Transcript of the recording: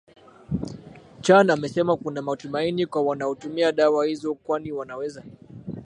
Chan amesema kuna matumaini kwa wanaotumia dawa hizo kwani wanaweza